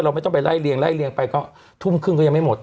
เราไม่ต้องไปไล่เลียงไปเรื่องทูมครึ่งก็ยังไม่หมด